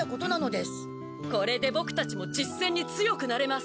これでボクたちも実戦に強くなれます。